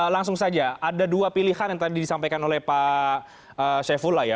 langsung saja ada dua pilihan yang tadi disampaikan oleh pak syaifullah ya